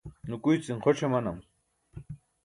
nukuycin xoś amanam